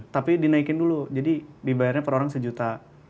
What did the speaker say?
tapi dinaikin dulu jadi dibayarnya per orang sejuta